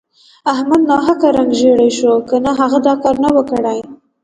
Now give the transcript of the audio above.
احمد ناحقه رنګ ژړی شو که نه هغه دا کار نه وو کړی.